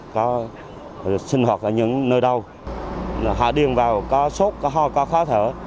có sinh hoạt ở những nơi đâu họ điền vào có sốt có ho có khó thở